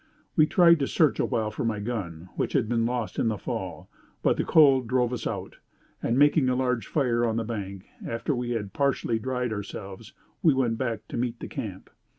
We tried to search awhile for my gun, which had been lost in the fall, but the cold drove us out; and, making a large fire on the bank, after we had partially dried ourselves, we went back to meet the camp.